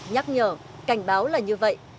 nhắc nhở cảnh báo là như vậy